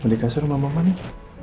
mau dikasere sama mama nih